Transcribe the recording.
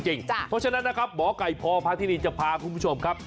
เพราะฉะนั้นนะครับหมอไก่พพาธินีจะพาคุณผู้ชมครับ